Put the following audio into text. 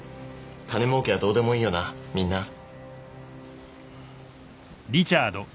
金もうけはどうでもいいよなみんな。